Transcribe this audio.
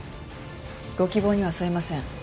ご希望には添えません。